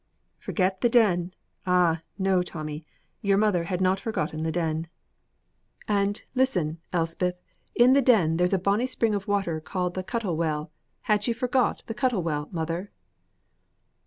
Forget the Den! Ah, no, Tommy, your mother had not forgotten the Den. "And, listen, Elspeth, in the Den there's a bonny spring of water called the Cuttle Well. Had you forgot the Cuttle Well, mother?"